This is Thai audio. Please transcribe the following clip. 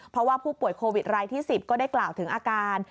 เพราะว่าผู้ป่วยโควิดรายที่๑๐ก็ได้กล่าวถึงอาการ